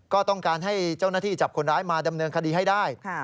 ก็ต้องการให้เจ้าหน้าที่จับคนร้ายมาดำเนินคดีให้ได้